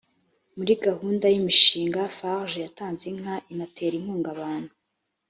muri gahunda y imishinga farg yatanze inka inatera inkunga abantu